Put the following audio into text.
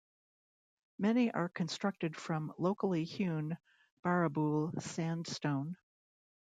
Many are constructed from locally hewn Barrabool sandstone.